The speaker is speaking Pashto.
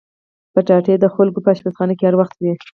کچالو د خلکو په پخلنځي کې هر وخت وي